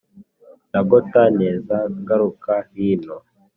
Ndagota neza ngaruka hino,